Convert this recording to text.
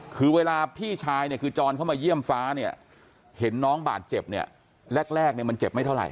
คือเวลาพี่ชายเนี่ยคือจรเข้ามาเยี่ยมฟ้าเนี่ยเห็นน้องบาดเจ็บเนี่ยแรกเนี่ยมันเจ็บไม่เท่าไห